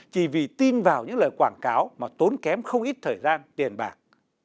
chỉ vì tin vào những lời quảng cáo mà tốn kém không ít thời gian tiền bạc